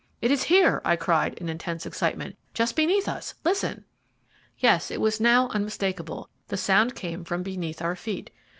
"It is here!" I cried, in intense excitement, "just beneath us. Listen!" Yes, it was now unmistakable the sound came from beneath our feet.